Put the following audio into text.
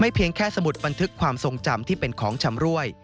เพียงแค่สมุดบันทึกความทรงจำที่เป็นของชำรวย